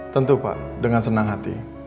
tentu pak dengan senang hati